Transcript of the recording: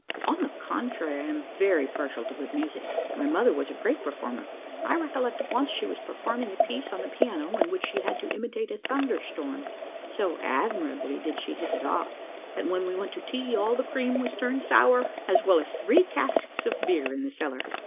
"On the contrary, I am very partial to good music. My mother was a great performer. I recollect once, she was performing a piece on the piano, in which she had to imitate a thunder storm. So admirably did she hit it off, that when we went to tea, all the cream was turned sour, as well as three casks of beer in the cellar."